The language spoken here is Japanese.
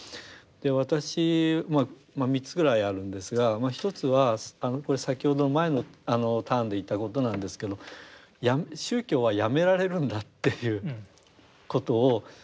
私はまあ３つぐらいあるんですが１つはこれ先ほど前のターンで言ったことなんですけど宗教はやめられるんだっていうことを。